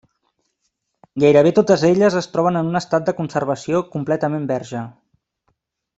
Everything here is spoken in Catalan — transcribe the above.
Gairebé totes elles es troben en un estat de conservació completament verge.